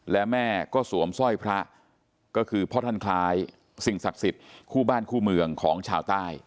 และแม่ก็สวมสร้อยพระก็คือพ่อท่านคล้ายสิ่งศักดิ์สิทธิ์คู่บ้านคู่เมืองของชาวใต้